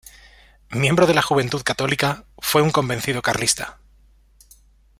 Miembro de la Juventud Católica, fue un convencido carlista.